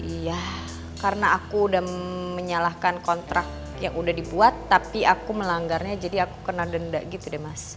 iya karena aku udah menyalahkan kontrak yang udah dibuat tapi aku melanggarnya jadi aku kena denda gitu deh mas